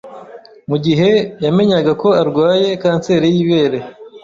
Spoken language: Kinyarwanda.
Mu gihe yamenyaga ko arwaye kanseri y’ibere,